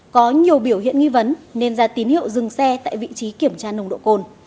có nhiều biểu hiện nghi vấn nên ra tín hiệu dừng xe tại vị trí kiểm tra nồng độ cồn